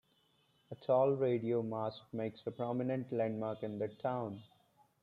A tall radio mast makes a prominent landmark in the town.